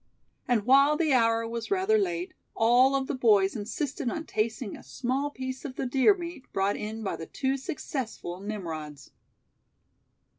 And while the hour was rather late, all of the boys insisted on tasting a small piece of the deer meat brought in by the two successful Nimrods.